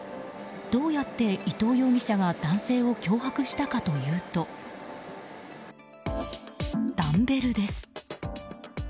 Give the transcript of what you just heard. どうやって伊藤容疑者が男性を脅迫したかというとダンベルです。